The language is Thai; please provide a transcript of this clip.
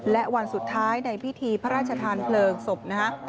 และวันสุดท้ายในพิธีพระราชทานเพลิงศพนะฮะ